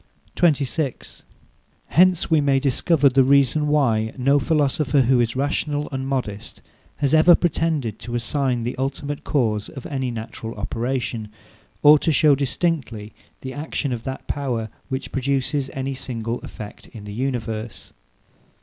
26. Hence we may discover the reason why no philosopher, who is rational and modest, has ever pretended to assign the ultimate cause of any natural operation, or to show distinctly the action of that power, which produces any single effect in the universe.